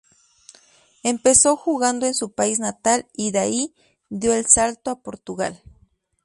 Empezó jugando en su país natal, y de ahí dio el salto a Portugal.